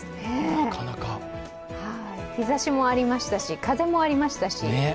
日ざしもありましたし、風もありましたし。